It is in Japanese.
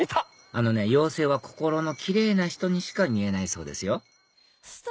あのね妖精は心のキレイな人にしか見えないそうですよ